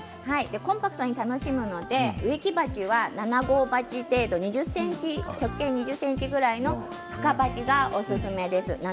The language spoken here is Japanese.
コンパクトに楽しむので植木鉢は７号程度直径２０ｃｍぐらいの深鉢がおすすめです。